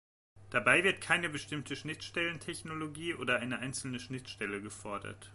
Dabei wird keine bestimmte Schnittstellentechnologie oder eine einzelne Schnittstelle gefordert.